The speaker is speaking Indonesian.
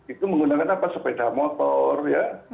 itu menggunakan apa sepeda motor ya